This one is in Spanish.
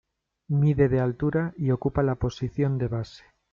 Mide de altura y ocupa la posición de base.